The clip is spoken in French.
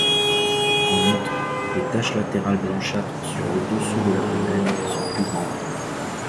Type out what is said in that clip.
En outre, les taches latérales blanchâtres sur le dessous de l'abdomen sont plus grandes.